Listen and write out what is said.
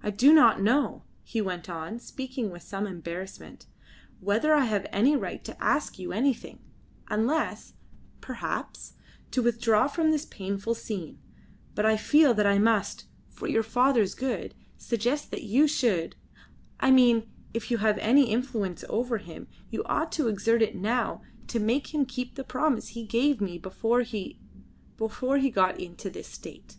"I do not know;" he went on, speaking with some embarrassment, "whether I have any right to ask you anything, unless, perhaps, to withdraw from this painful scene, but I feel that I must for your father's good suggest that you should I mean if you have any influence over him you ought to exert it now to make him keep the promise he gave me before he before he got into this state."